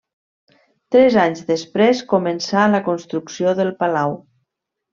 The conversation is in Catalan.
Tres anys després començà la construcció del palau.